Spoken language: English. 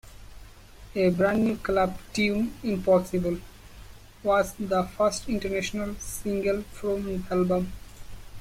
A brand new club tune "Impossible" was the first international single from the album.